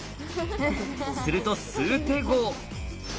すると数手後。